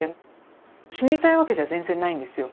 死にたいわけじゃ全然ないんですよ。